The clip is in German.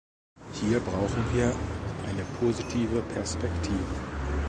Hier brauchen wir eine positive Perspektive.